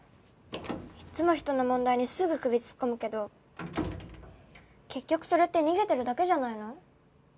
いっつも人の問題にすぐ首突っ込むけど結局それって逃げてるだけじゃないの？